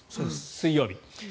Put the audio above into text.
水曜日。